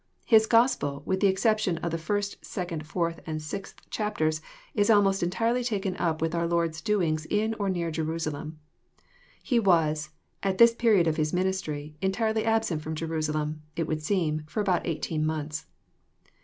His Gospel, with the exception of the Is^ 2nd, 4th, and 6th chapters, is almost entirely taken up with our Lord's doings in or near Jerusalem. He was, at this period of His ministry, entirely absent from Jerusalem, it would seem, for about eighteen months.